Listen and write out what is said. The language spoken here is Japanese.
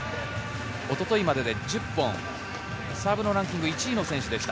一昨日までで１０本、サーブのランキング１位の選手でした。